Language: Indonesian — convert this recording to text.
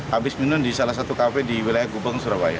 habis minum di salah satu kafe di wilayah gubeng surabaya